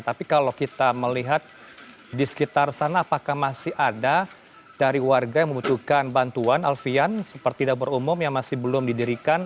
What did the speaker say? tapi kalau kita melihat di sekitar sana apakah masih ada dari warga yang membutuhkan bantuan alfian seperti dapur umum yang masih belum didirikan